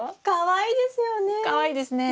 かわいいですね。